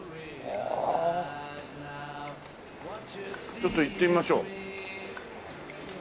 ちょっと行ってみましょう。